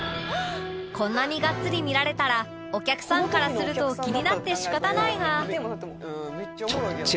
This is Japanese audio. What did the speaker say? こんなにがっつり見られたらお客さんからすると気になって仕方ないが